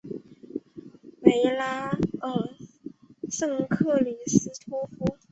维拉尔圣克里斯托夫。